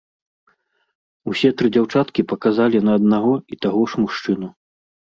Усе тры дзяўчаткі паказалі на аднаго і таго ж мужчыну.